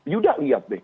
yuda lihat deh